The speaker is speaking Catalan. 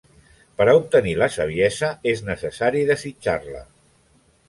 Per a obtenir la saviesa és necessari desitjar-la.